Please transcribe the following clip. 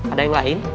ada yang lain